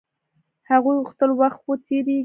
هغوی غوښتل وخت و تېريږي.